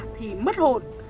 thì mất hồn